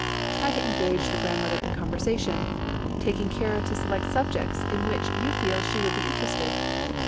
Try to engage the grandmother in conversation, taking care to select subjects in which you feel she would be interested.